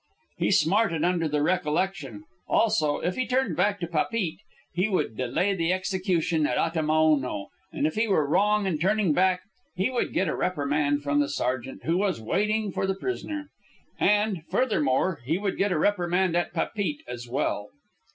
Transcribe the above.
He smarted under the recollection. Also, if he turned back to Papeete, he would delay the execution at Atimaono, and if he were wrong in turning back, he would get a reprimand from the sergeant who was waiting for the prisoner. And, furthermore, he would get a reprimand at Papeete as well.